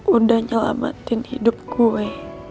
udah nyelamatin hidup gue